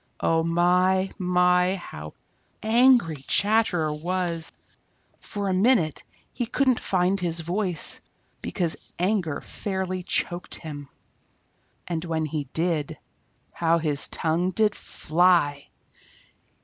Oh my, my, how angry Chatterer was! For a minute he couldn't find his voice, because his anger fairly choked him. And when he did, how his tongue did fly!